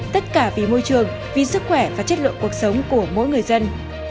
tất cả vì môi trường vì sức khỏe và chất lượng cuộc sống của mỗi người dân